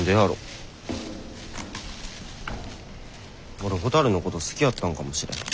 俺ほたるのこと好きやったのかもしれへん。